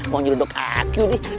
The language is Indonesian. mau nyuruh dok aku nih